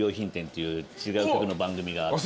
いう違う局の番組があって。